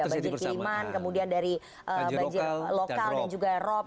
banjir kiriman kemudian dari banjir lokal dan juga rob